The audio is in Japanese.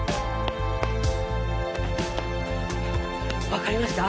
分かりました？